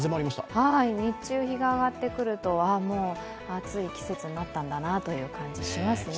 日中、日が上がってくると暑い季節になったんだなという感じがしますね。